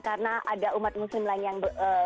karena ada umat muslim lain yang